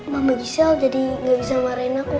mama giselle jadi gak bisa marahin aku